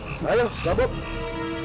jangan sampai kau mencabut kayu ini